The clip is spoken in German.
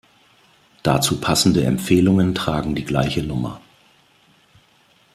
Dazu passende Empfehlungen tragen die gleiche Nummer.